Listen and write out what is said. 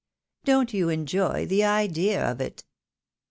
Don't you enjoy the idea of it?"